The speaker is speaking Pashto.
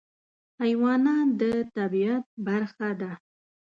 حیوانات د طبیعت برخه ده.